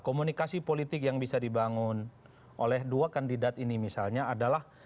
komunikasi politik yang bisa dibangun oleh dua kandidat ini misalnya adalah